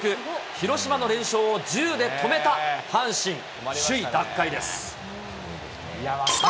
広島の連勝を１０で止めた阪神、首位奪回です。